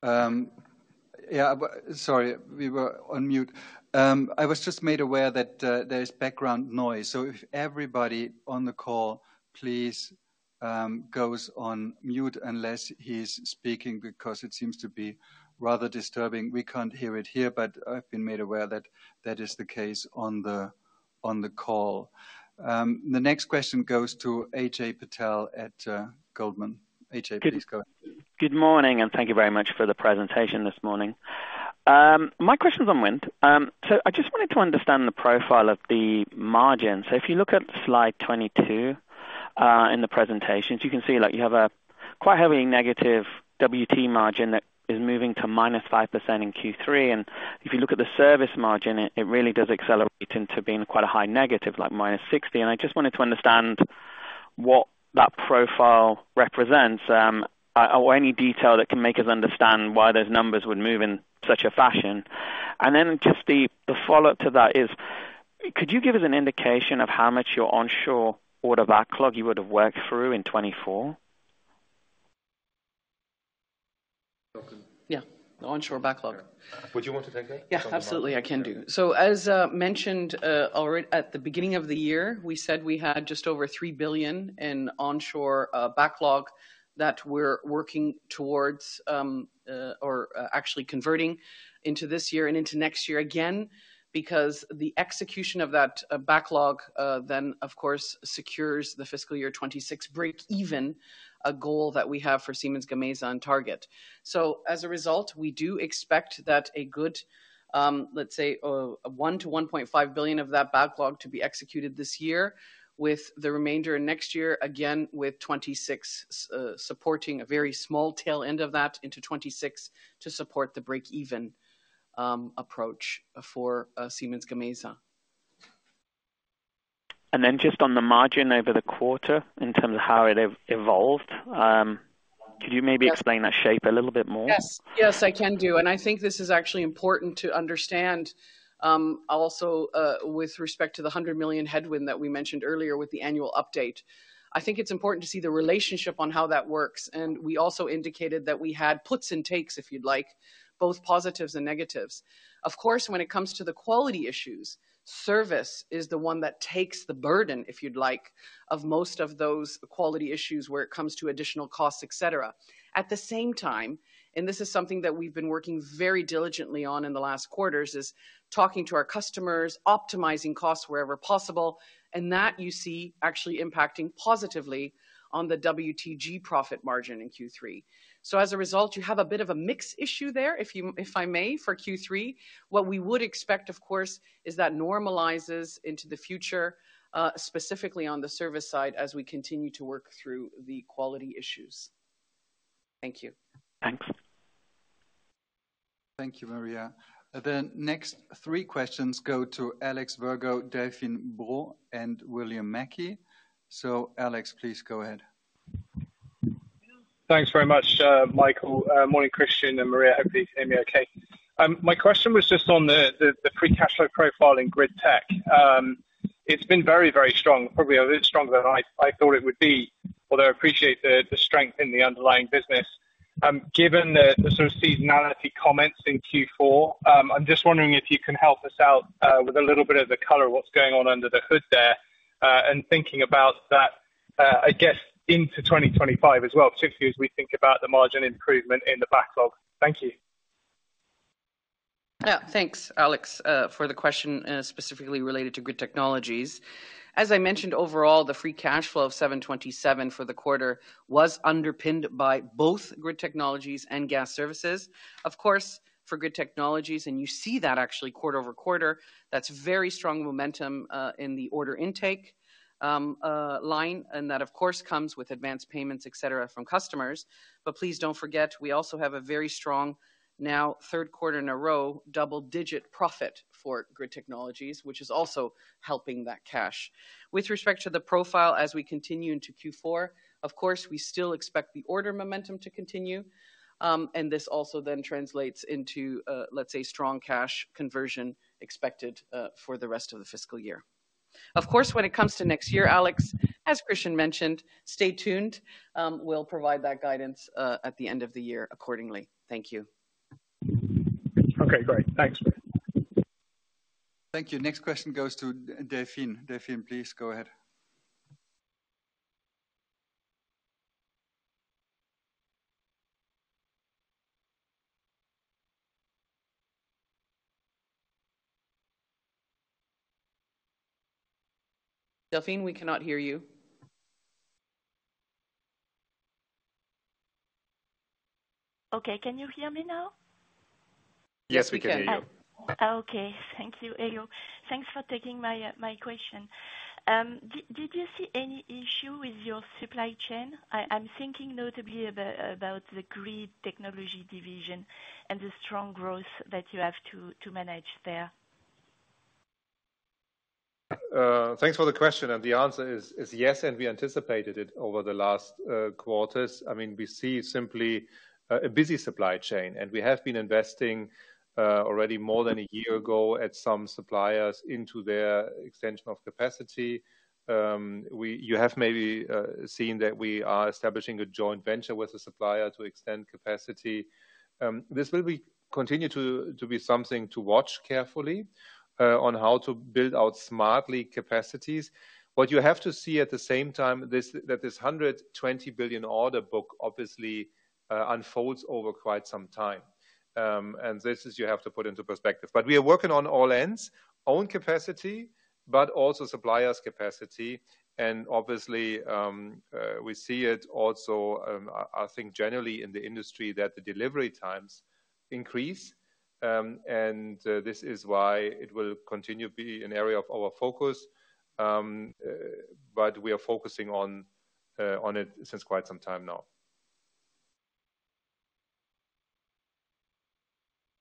Yeah, but sorry, we were on mute. I was just made aware that there is background noise, so if everybody on the call, please, goes on mute unless he's speaking, because it seems to be rather disturbing. We can't hear it here, but I've been made aware that that is the case on the call. The next question goes to Ajay Patel at Goldman. AJ, please go ahead. Good morning, and thank you very much for the presentation this morning. My question's on wind. So I just wanted to understand the profile of the margin. So if you look at slide 22, in the presentations, you can see, like, you have a quite heavily negative WT margin that is moving to -5% in Q3. And if you look at the service margin, it, it really does accelerate into being quite a high negative, like -60. And I just wanted to understand what that profile represents, or, or any detail that can make us understand why those numbers would move in such a fashion. And then just the, the follow-up to that is, could you give us an indication of how much your onshore order backlog you would have worked through in 2024? Yeah, the onshore backlog. Would you want to take that? Yeah, absolutely, I can do. So as mentioned already at the beginning of the year, we said we had just over 3 billion in onshore backlog that we're working towards, or actually converting into this year and into next year, again, because the execution of that backlog then, of course, secures the fiscal year 2026 breakeven, a goal that we have for Siemens Gamesa on target. So as a result, we do expect that a good, let's say, 1 billion-1.5 billion of that backlog to be executed this year, with the remainder next year, again, with 2026 supporting a very small tail end of that into 2026 to support the breakeven approach for Siemens Gamesa. And then just on the margin over the quarter, in terms of how it evolved, could you maybe explain that shape a little bit more? Yes. Yes, I can do. And I think this is actually important to understand, also, with respect to the 100 million headwind that we mentioned earlier with the annual update. I think it's important to see the relationship on how that works, and we also indicated that we had puts and takes, if you'd like, both positives and negatives. Of course, when it comes to the quality issues, service is the one that takes the burden, if you'd like, of most of those quality issues where it comes to additional costs, et cetera. At the same time, and this is something that we've been working very diligently on in the last quarters, is talking to our customers, optimizing costs wherever possible, and that you see actually impacting positively on the WTG profit margin in Q3. So as a result, you have a bit of a mix issue there, if you—if I may, for Q3. What we would expect, of course, is that normalizes into the future, specifically on the service side, as we continue to work through the quality issues. Thank you. Thanks. Thank you, Maria. The next three questions go to Alex Virgo, Delphine Brault, and Will Mackie. So, Alex, please go ahead. Thanks very much, Michael. Morning, Christian and Maria. Hope you can hear me okay. My question was just on the free cash flow profile in Grid Technologies. It's been very, very strong, probably a little stronger than I thought it would be, although I appreciate the strength in the underlying business. Given the sort of seasonality comments in Q4, I'm just wondering if you can help us out with a little bit of the color of what's going on under the hood there, and thinking about that, I guess, into 2025 as well, particularly as we think about the margin improvement in the backlog. Thank you. Yeah. Thanks, Alex, for the question specifically related to Grid Technologies. As I mentioned, overall, the free cash flow of 727 for the quarter was underpinned by both Grid Technologies and Gas Services. Of course, for Grid Technologies, and you see that actually quarter-over-quarter, that's very strong momentum in the order intake line, and that, of course, comes with advanced payments, et cetera, from customers. But please don't forget, we also have a very strong, now third quarter in a row, double-digit profit for Grid Technologies, which is also helping that cash. With respect to the profile as we continue into Q4, of course, we still expect the order momentum to continue, and this also then translates into, let's say, strong cash conversion expected for the rest of the fiscal year. Of course, when it comes to next year, Alex, as Christian mentioned, stay tuned. We'll provide that guidance at the end of the year accordingly. Thank you. Okay, great. Thanks. Thank you. Next question goes to Delphine. Delphine, please go ahead. Delphine, we cannot hear you.... Okay, can you hear me now? Yes, we can hear you. Okay. Thank you, Ajay. Thanks for taking my question. Did you see any issue with your supply chain? I'm thinking notably about the Grid Technologies division and the strong growth that you have to manage there. Thanks for the question, and the answer is, is yes, and we anticipated it over the last quarters. I mean, we see simply a busy supply chain, and we have been investing already more than a year ago, at some suppliers into their extension of capacity. You have maybe seen that we are establishing a joint venture with a supplier to extend capacity. This will be continue to, to be something to watch carefully, on how to build out smartly capacities. What you have to see at the same time, this, that this 120 billion order book obviously unfolds over quite some time. And this is you have to put into perspective. But we are working on all ends, own capacity, but also suppliers capacity. Obviously, we see it also. I think generally in the industry that the delivery times increase. This is why it will continue to be an area of our focus, but we are focusing on it since quite some time now.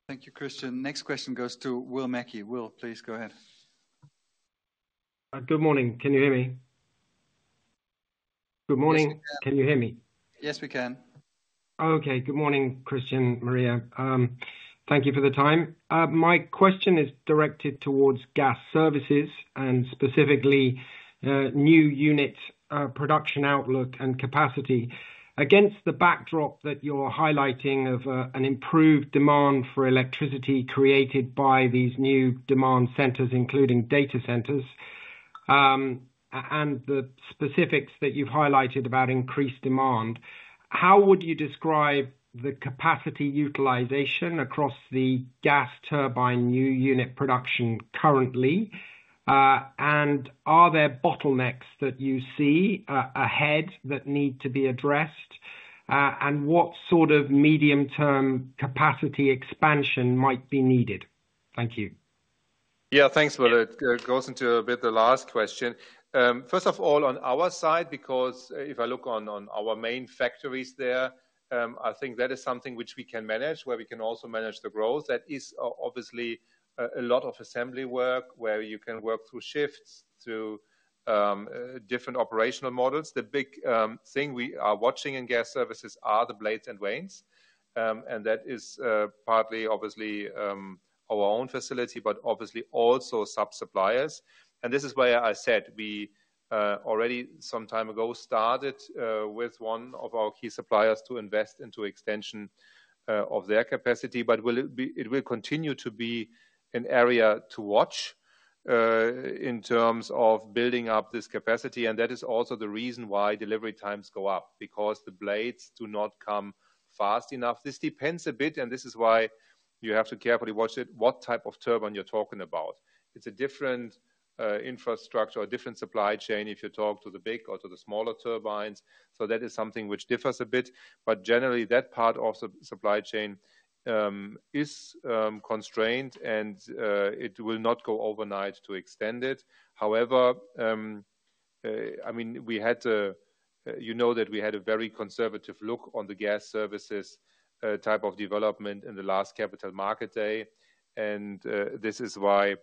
Thank you, Christian. Next question goes to Will Mackie. Will, please go ahead. Good morning. Can you hear me? Good morning. Yes, we can. Can you hear me? Yes, we can. Okay, good morning, Christian, Maria. Thank you for the time. My question is directed towards Gas Services and specifically new unit production outlook and capacity. Against the backdrop that you're highlighting of an improved demand for electricity created by these new demand centers, including data centers, and the specifics that you've highlighted about increased demand, how would you describe the capacity utilization across the gas turbine new unit production currently? And are there bottlenecks that you see ahead that need to be addressed? And what sort of medium-term capacity expansion might be needed? Thank you. Yeah, thanks, Will. It goes into a bit the last question. First of all, on our side, because if I look on, on our main factories there, I think that is something which we can manage, where we can also manage the growth. That is obviously a lot of assembly work, where you can work through shifts to different operational models. The big thing we are watching in Gas Services are the blades and vanes. And that is partly, obviously, our own facility, but obviously also sub-suppliers. And this is why I said, we already some time ago, started with one of our key suppliers to invest into extension of their capacity. But will it be—it will continue to be an area to watch in terms of building up this capacity, and that is also the reason why delivery times go up, because the blades do not come fast enough. This depends a bit, and this is why you have to carefully watch it, what type of turbine you're talking about. It's a different infrastructure or different supply chain if you talk to the big or to the smaller turbines. So that is something which differs a bit, but generally, that part of the supply chain is constrained, and it will not go overnight to extend it. However, I mean, we had to, you know that we had a very conservative look on the Gas Services type of development in the last Capital Market Day. And, this is why,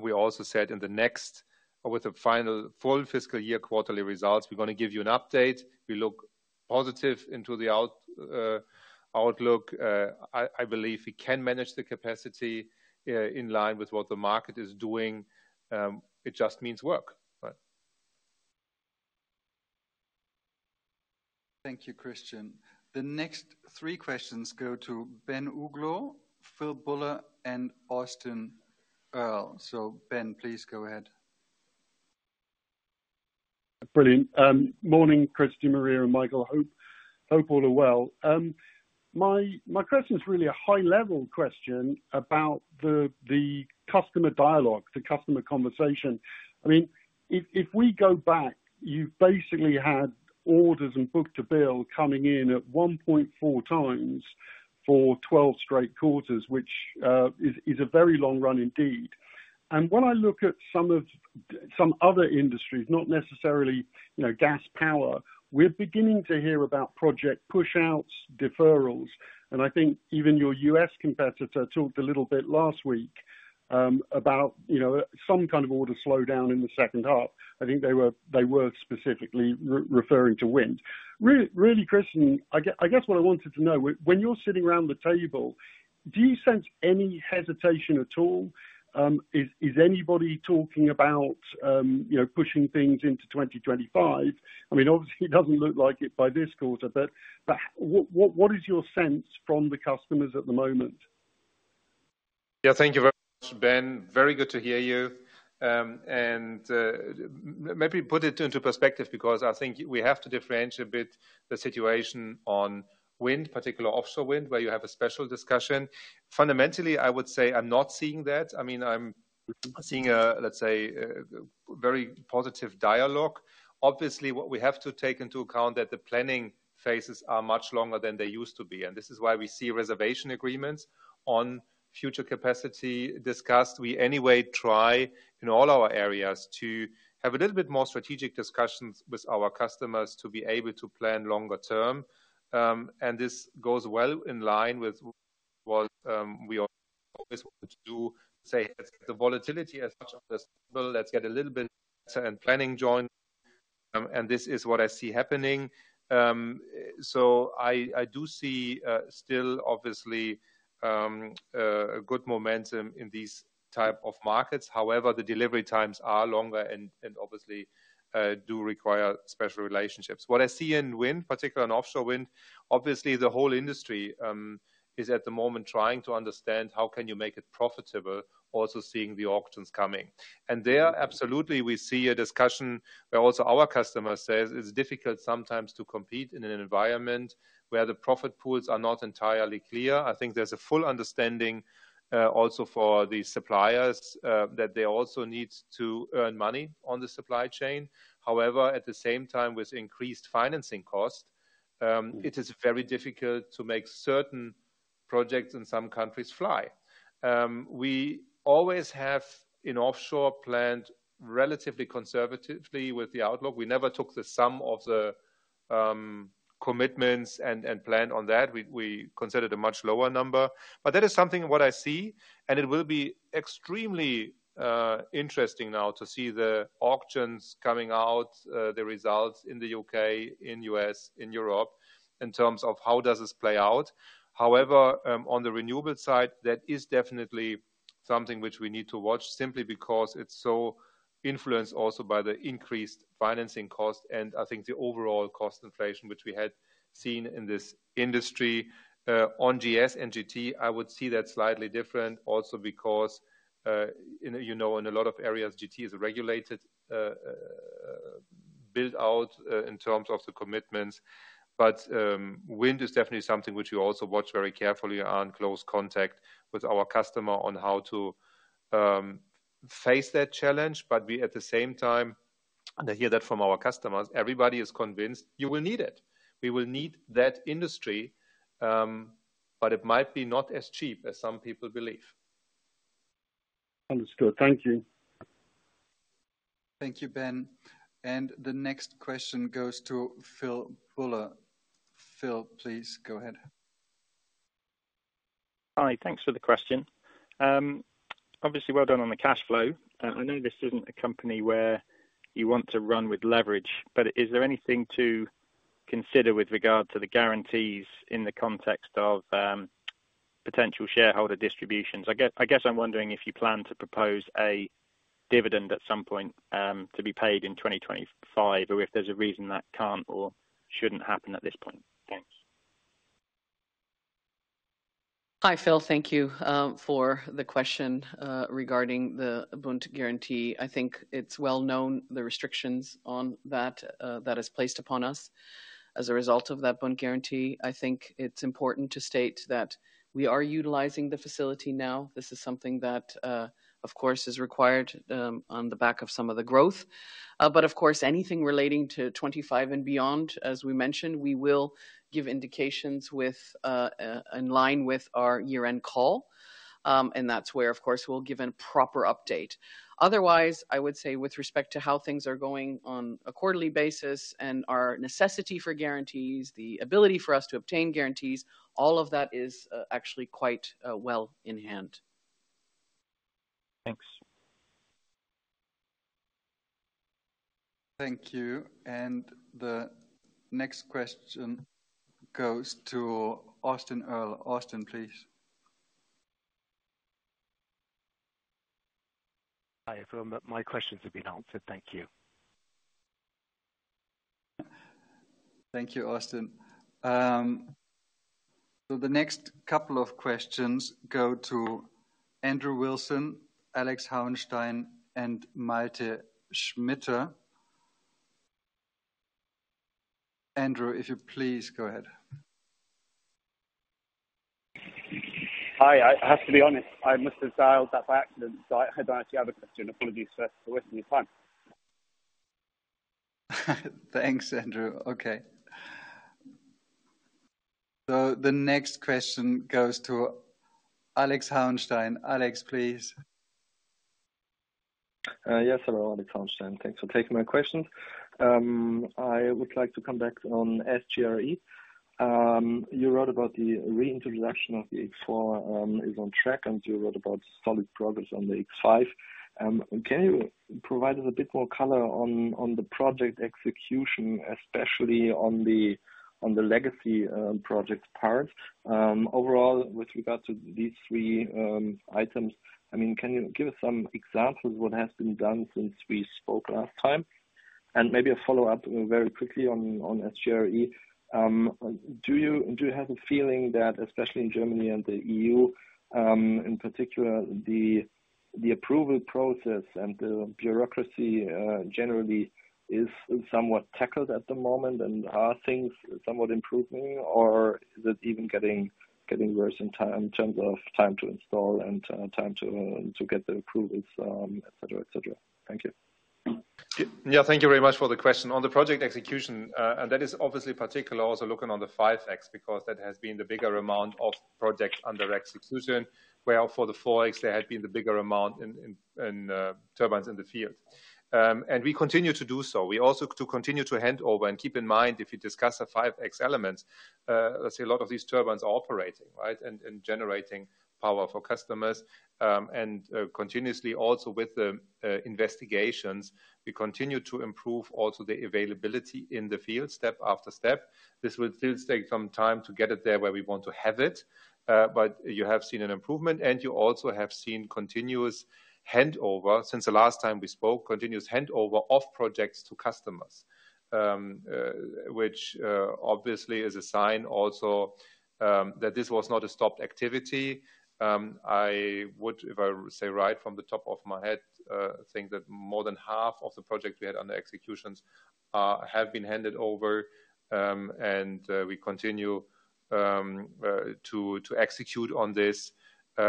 we also said in the next, with a final full fiscal year quarterly results, we're gonna give you an update. We look positive into the out, outlook. I, I believe we can manage the capacity, in line with what the market is doing. It just means work, but... Thank you, Christian. The next three questions go to Ben Uglow, Phil Buller, and Austin Earl. So, Ben, please go ahead. Brilliant. Morning, Christian, Maria, and Michael. Hope all are well. My question is really a high-level question about the customer dialogue, the customer conversation. I mean, if we go back, you basically had orders and book-to-bill coming in at 1.4 times for 12 straight quarters, which is a very long run indeed. And when I look at some of some other industries, not necessarily, you know, gas power, we're beginning to hear about project push-outs, deferrals, and I think even your US competitor talked a little bit last week about some kind of order slowdown in the second half. I think they were specifically referring to wind. Really, Christian, I guess what I wanted to know, when you're sitting around the table, do you sense any hesitation at all? Is anybody talking about, you know, pushing things into 2025? I mean, obviously, it doesn't look like it by this quarter, but what is your sense from the customers at the moment?... Yeah, thank you very much, Ben. Very good to hear you. And maybe put it into perspective, because I think we have to differentiate a bit the situation on wind, particular offshore wind, where you have a special discussion. Fundamentally, I would say I'm not seeing that. I mean, I'm seeing, let's say, a very positive dialogue. Obviously, what we have to take into account that the planning phases are much longer than they used to be, and this is why we see reservation agreements on future capacity discussed. We anyway try, in all our areas, to have a little bit more strategic discussions with our customers to be able to plan longer term. And this goes well in line with what we always wanted to do, say, let's get the volatility as much of this. Well, let's get a little bit better and planning joint, and this is what I see happening. So I, I do see still obviously a good momentum in these type of markets. However, the delivery times are longer and, and obviously do require special relationships. What I see in wind, particularly in offshore wind, obviously, the whole industry is at the moment trying to understand how can you make it profitable, also seeing the auctions coming. And there, absolutely, we see a discussion where also our customer says it's difficult sometimes to compete in an environment where the profit pools are not entirely clear. I think there's a full understanding also for the suppliers that they also need to earn money on the supply chain. However, at the same time, with increased financing cost, it is very difficult to make certain projects in some countries fly. We always have in offshore planned relatively conservatively with the outlook. We never took the sum of the, commitments and planned on that. We considered a much lower number. But that is something what I see, and it will be extremely interesting now to see the auctions coming out, the results in the UK, in US, in Europe, in terms of how does this play out. However, on the renewable side, that is definitely something which we need to watch, simply because it's so influenced also by the increased financing cost, and I think the overall cost inflation, which we had seen in this industry. On GS and GT, I would see that slightly different also because, you know, in a lot of areas, GT is a regulated build out in terms of the commitments. But wind is definitely something which we also watch very carefully on close contact with our customer on how to face that challenge. But we, at the same time, and I hear that from our customers, everybody is convinced you will need it. We will need that industry, but it might be not as cheap as some people believe. Understood. Thank you. Thank you, Ben. And the next question goes to Phil Buller. Phil, please go ahead. Hi, thanks for the question. Obviously, well done on the cash flow. I know this isn't a company where you want to run with leverage, but is there anything to consider with regard to the guarantees in the context of, potential shareholder distributions? I guess, I guess I'm wondering if you plan to propose a dividend at some point, to be paid in 2025, or if there's a reason that can't or shouldn't happen at this point? Thanks. Hi, Phil. Thank you, for the question, regarding the Bund guarantee. I think it's well known, the restrictions on that, that is placed upon us as a result of that Bund guarantee. I think it's important to state that we are utilizing the facility now. This is something that, of course, is required, on the back of some of the growth. But of course, anything relating to 25 and beyond, as we mentioned, we will give indications with, in line with our year-end call. And that's where, of course, we'll give a proper update. Otherwise, I would say with respect to how things are going on a quarterly basis and our necessity for guarantees, the ability for us to obtain guarantees, all of that is, actually quite, well in hand. Thanks. Thank you. And the next question goes to Austin Earl. Austin, please. Hi, My, my question has been answered. Thank you. Thank you, Austin. So the next couple of questions go to Andrew Wilson, Alex Hauenstein, and Malte Schmitter. Andrew, if you please go ahead. Hi, I have to be honest, I must have dialed that by accident. I don't actually have a question. Apologies for wasting your time. Thanks, Andrew. Okay. So the next question goes to Alex Hauenstein. Alex, please. Yes, hello, Alex Hauenstein. Thanks for taking my question. I would like to come back on SGRE. You wrote about the reintroduction of the 4.X is on track, and you wrote about solid progress on the 5.X. Can you provide us a bit more color on the project execution, especially on the legacy project part? Overall, with regards to these three items, I mean, can you give us some examples of what has been done since we spoke last time? And maybe a follow-up very quickly on SGRE. Do you have a feeling that, especially in Germany and the EU, in particular, the approval process and the bureaucracy generally is somewhat tackled at the moment? Are things somewhat improving, or is it even getting worse in time, in terms of time to install and time to get the approvals, et cetera, et cetera? Thank you. Yeah, thank you very much for the question. On the project execution, and that is obviously particular also looking on the 5.X, because that has been the bigger amount of projects under execution, where for the 4.X, there had been the bigger amount in turbines in the field. And we continue to do so. We also to continue to hand over. And keep in mind, if you discuss the 5.X elements, let's say a lot of these turbines are operating, right, and generating power for customers. And continuously also with the investigations, we continue to improve also the availability in the field, step after step. This will still take some time to get it there where we want to have it, but you have seen an improvement. You also have seen continuous handover since the last time we spoke, continuous handover of projects to customers. Which, obviously is a sign also, that this was not a stopped activity. I would, if I say right from the top of my head, think that more than half of the projects we had on the executions, have been handed over. And we continue to execute on this,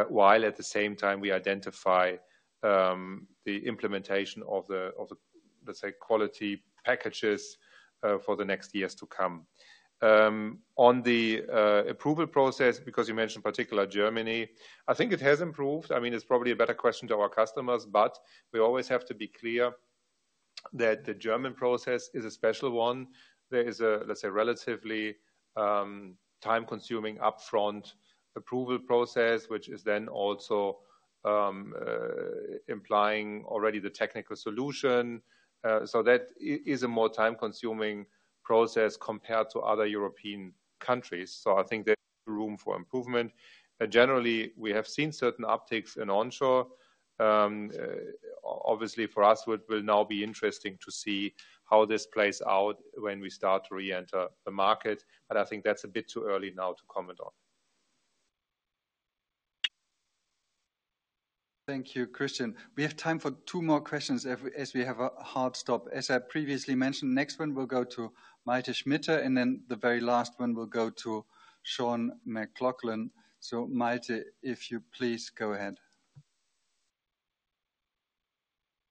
while at the same time we identify the implementation of the, let's say, quality packages, for the next years to come. On the approval process, because you mentioned particular Germany, I think it has improved. I mean, it's probably a better question to our customers, but we always have to be clear that the German process is a special one. There is a, let's say, relatively time-consuming, upfront approval process, which is then also implying already the technical solution. So that is a more time-consuming process compared to other European countries, so I think there's room for improvement. But generally, we have seen certain upticks in onshore. Obviously, for us, what will now be interesting to see how this plays out when we start to reenter the market, but I think that's a bit too early now to comment on. Thank you, Christian. We have time for two more questions as we have a hard stop. As I previously mentioned, next one will go to Malte Schmitter, and then the very last one will go to Sean McLoughlin. So Malte, if you please go ahead.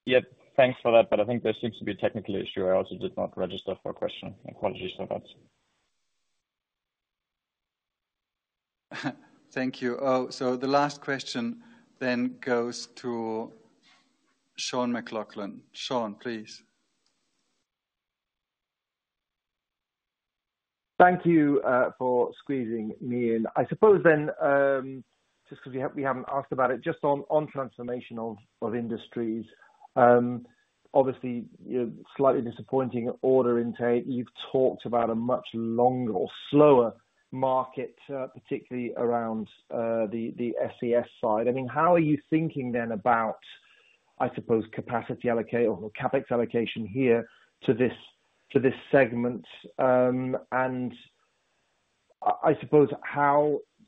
Yep, thanks for that, but I think there seems to be a technical issue. I also did not register for a question. I apologize for that. Thank you. Oh, so the last question then goes to Sean McLoughlin. Sean, please. Thank you for squeezing me in. I suppose then, just because we haven't asked about it, just on Transformation of Industry. Obviously, your slightly disappointing order intake. You've talked about a much longer or slower market, particularly around the CCS side. I mean, how are you thinking then about, I suppose, capacity allocation or CapEx allocation here to this segment? And I suppose,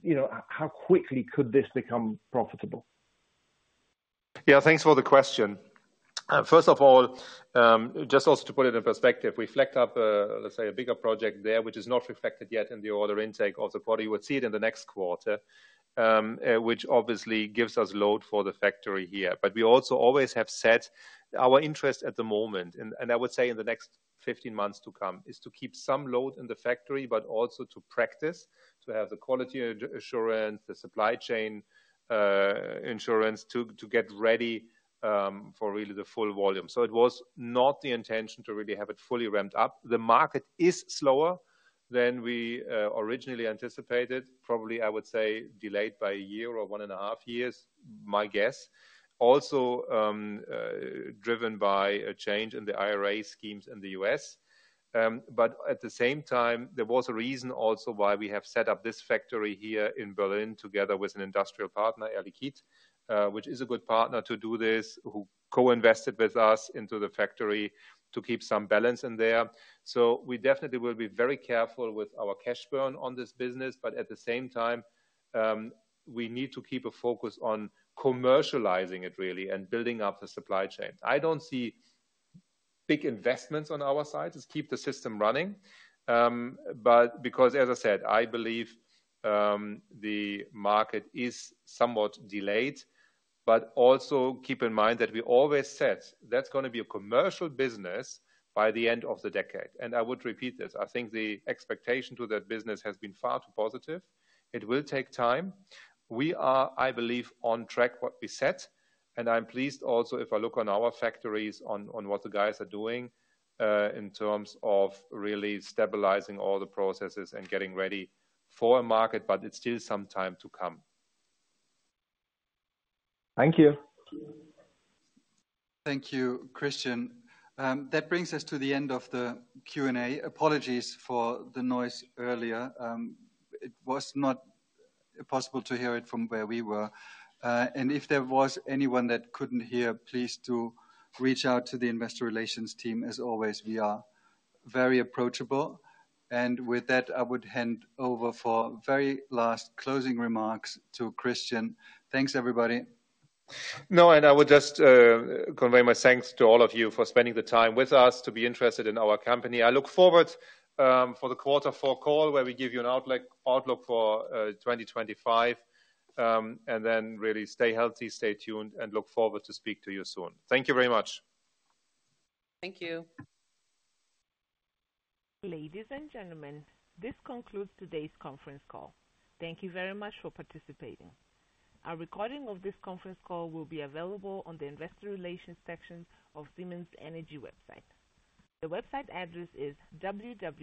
you know, how quickly could this become profitable? Yeah, thanks for the question. First of all, just also to put it in perspective, we picked up, let's say, a bigger project there, which is not reflected yet in the order intake of the quarter. You would see it in the next quarter, which obviously gives us load for the factory here. But we also always have set our interest at the moment, and I would say in the next 15 months to come, is to keep some load in the factory, but also to practice, to have the quality assurance, the supply chain ensured, to get ready, for really the full volume. So it was not the intention to really have it fully ramped up. The market is slower than we originally anticipated. Probably, I would say, delayed by one year or one and a half years, my guess. Also, driven by a change in the IRA schemes in the US. But at the same time, there was a reason also why we have set up this factory here in Berlin together with an industrial partner, Air Liquide, which is a good partner to do this, who co-invested with us into the factory to keep some balance in there. So we definitely will be very careful with our cash burn on this business, but at the same time, we need to keep a focus on commercializing it really and building up the supply chain. I don't see big investments on our side. Just keep the system running. But because, as I said, I believe, the market is somewhat delayed, but also keep in mind that we always said that's gonna be a commercial business by the end of the decade. And I would repeat this, I think the expectation to that business has been far too positive. It will take time. We are, I believe, on track what we set, and I'm pleased also, if I look on our factories, on what the guys are doing, in terms of really stabilizing all the processes and getting ready for a market, but it's still some time to come. Thank you. Thank you, Christian. That brings us to the end of the Q&A. Apologies for the noise earlier. It was not possible to hear it from where we were. And if there was anyone that couldn't hear, please do reach out to the investor relations team. As always, we are very approachable. And with that, I would hand over for very last closing remarks to Christian. Thanks, everybody. No, and I would just convey my thanks to all of you for spending the time with us, to be interested in our company. I look forward for the quarter four call, where we give you an outlook for 2025. And then really, stay healthy, stay tuned, and look forward to speak to you soon. Thank you very much. Thank you. Ladies and gentlemen, this concludes today's conference call. Thank you very much for participating. A recording of this conference call will be available on the investor relations section of Siemens Energy website. The website address is www-